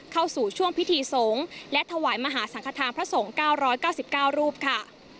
เข้าสู่ช่วงพิธีสงฆ์และถวายมหาสังฆฐานพระสงฆ์๙๙๙รูปค่ะ